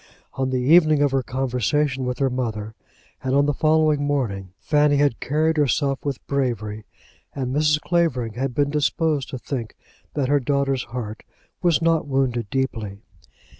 On the evening of her conversation with her mother, and on the following morning, Fanny had carried herself with bravery, and Mrs. Clavering had been disposed to think that her daughter's heart was not wounded deeply.